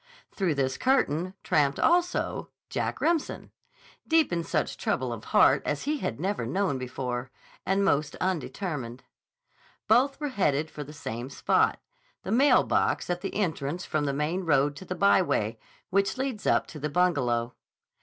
Through this curtain tramped also Jack Remsen, deep in such trouble of heart as he had never known before, and most undetermined. Both were headed for the same spot, the mailbox at the entrance from the main road to the byway which leads up to the Bungalow.